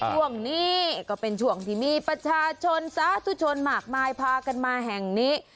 ช่วงนี้ก็เป็นช่วงที่มีประชาชนสาธุชนมากมายพากันมาแห่งนี้